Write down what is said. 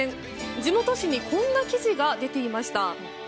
地元紙にこんな記事が出ていました。